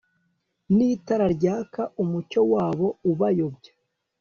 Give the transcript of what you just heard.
n'itara ryaka, umucyo wabo ubayobya